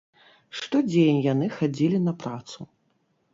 Штодзень яны хадзілі на працу!